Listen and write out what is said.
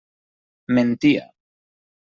Mentia.